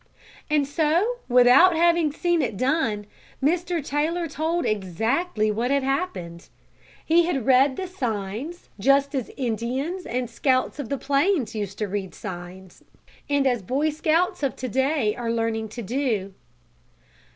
And so, without having seen it done, Mr. Taylor told exactly what had happened. He had read the "signs," just as Indians and scouts of the plains used to read signs, and as Boy Scouts of to day are learning to do.